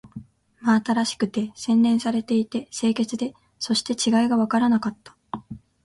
真新しくて、洗練されていて、清潔で、そして違いがわからなかった